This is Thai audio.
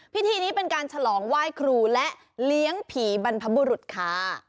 พิธีนี้เป็นการฉลองไหว้ครูและเลี้ยงผีบรรพบุรุษค่ะ